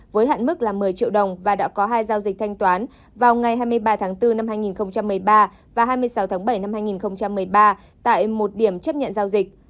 với hạn mức là một mươi triệu đồng và đã có hai giao dịch thanh toán vào ngày hai mươi ba tháng bốn năm hai nghìn một mươi ba và hai mươi sáu tháng bảy năm hai nghìn một mươi ba tại một điểm chấp nhận giao dịch